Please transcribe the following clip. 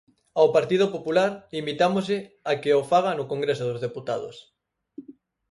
Ao Partido Popular invitámoslle a que o faga no Congreso dos Deputados.